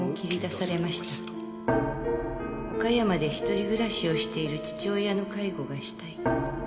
岡山でひとり暮らしをしている父親の介護がしたい。